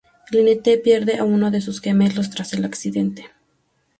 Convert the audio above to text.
Lynette pierde a uno de sus gemelos tras el accidente.